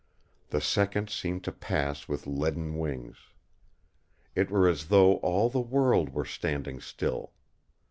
The seconds seemed to pass with leaden wings. It were as though all the world were standing still.